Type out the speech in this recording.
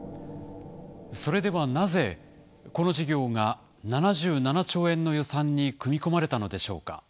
それではなぜこの事業が７７兆円の予算に組み込まれたのでしょうか。